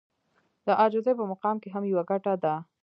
د عاجزي په مقام کې هم يوه ګټه ده.